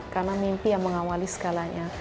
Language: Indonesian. karena mimpi yang mengawali segalanya